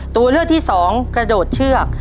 ตัวเลือกที่สองกระโดดเชือก